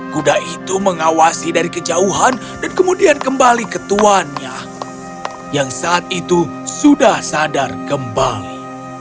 kuda itu mengawasi dari kejauhan dan kemudian kembali ke tuannya yang saat itu sudah sadar kembali